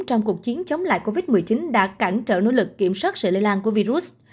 trong cuộc chiến chống lại covid một mươi chín đã cản trở nỗ lực kiểm soát sự lây lan của virus